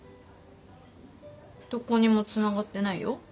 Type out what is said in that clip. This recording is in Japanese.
どこにもつながってないよ。